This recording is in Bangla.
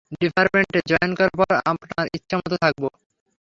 ডিপার্টমেন্টে জয়েন করার পর আপনার ইচ্ছা মতো থাকব।